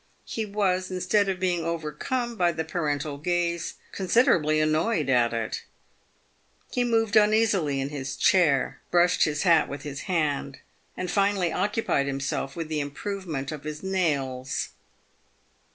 He was, instead of being overcome by the parental gaze, considerably annoyed at it. He moved uneasily in his chair, brushed his hat with his hand, and finally occupied himself with the improve ment of his nails.